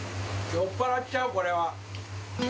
酔っぱらっちゃう、これは。